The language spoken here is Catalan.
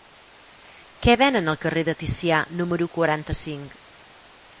Què venen al carrer de Ticià número quaranta-cinc?